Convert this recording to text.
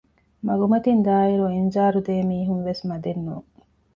މަގުމަތިން ދާއިރު އިންޒާރު ދޭ މީހުން ވެސް މަދެއް ނޫން